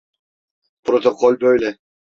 Protokol böyle.